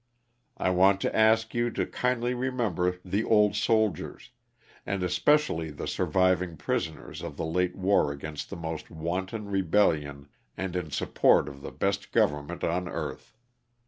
I want to ask you to kindly remember the old soldiers, and especially the surviving prison ers of the late war against the most wanton rebellion and in support of the best government on earth.